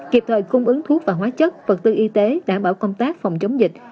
kịp thời cung ứng thuốc và hóa chất vật tư y tế đảm bảo công tác phòng chống dịch